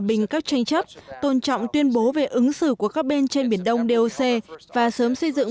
bình các tranh chấp tôn trọng tuyên bố về ứng xử của các bên trên biển đông doc và sớm xây dựng